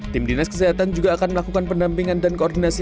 tim dinas kesehatan juga akan melakukan pendampingan dan koordinasi